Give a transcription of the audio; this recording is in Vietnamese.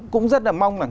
cũng rất là mong rằng